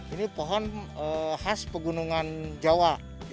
ini pohon khas pegunungan jawa